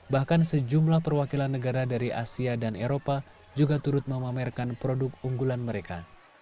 bahkan sejumlah perwakilan negara dari asia dan eropa juga turut memamerkan produk unggulan mereka